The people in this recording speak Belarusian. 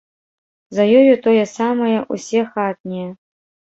За ёю тое самае ўсе хатнія.